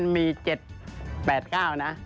มี๗๘บาท